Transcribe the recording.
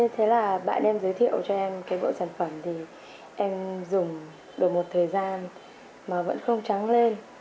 thế là bạn em giới thiệu cho em cái bộ sản phẩm thì em dùng đổi một thời gian mà vẫn không trắng lên